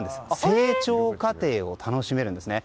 成長過程を楽しめるんですね。